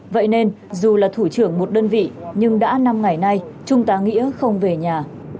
vậy nên dù là thủ trưởng một đơn vị nhưng đã năm ngày nay trung tá nghĩa không về nhà